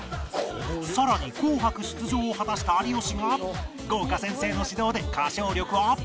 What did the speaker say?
さらに『紅白』出場を果たした有吉が豪華先生の指導で歌唱力アップ？